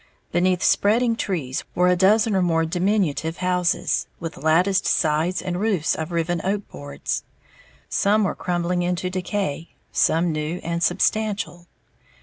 Beneath spreading trees, were a dozen or more diminutive houses, with latticed sides and roofs of riven oak boards. Some were crumbling into decay, some new and substantial.